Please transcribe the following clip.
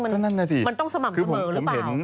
มันต้องสม่ำเสมอหรือเปล่า